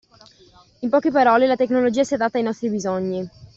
In poche parole la tecnologia si adatta ai nostri bisogni.